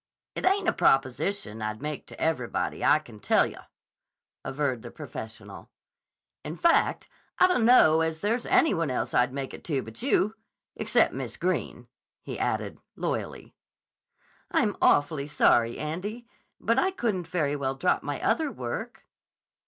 "It ain't a proposition I'd make to everybody, I can tell yah," averred the professional. "In fact, I dunno as there's any one else I'd make it to but you. Except Miss Greene," he added loyally. "I'm awfully sorry, Andy. But I couldn't very well drop my other work."